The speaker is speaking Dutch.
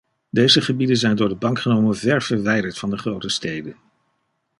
Deze gebieden zijn door de bank genomen ver verwijderd van de grote steden.